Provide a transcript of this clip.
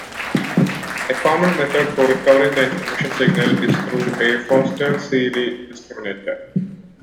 A common method for recovering the information signal is through a Foster-Seeley discriminator.